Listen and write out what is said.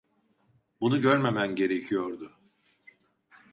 Bunu görmemen gerekiyordu.